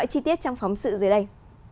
cho việt nam hôm nay